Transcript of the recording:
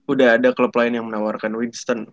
udah ada klub lain yang menawarkan wingston